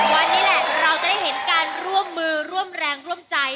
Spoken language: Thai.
วันนี้แหละเราจะได้เห็นการร่วมมือร่วมแรงร่วมใจ